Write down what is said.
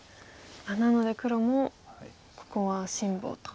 なので黒もここは辛抱と。